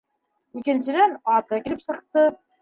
Икенсенән, аты килеп сыҡты.